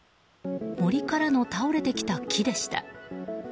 森からの倒れてきた木でした。